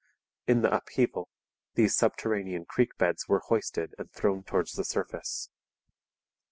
In the upheaval these subterranean creek beds were hoisted and thrown towards the surface.